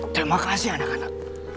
terima kasih anak anak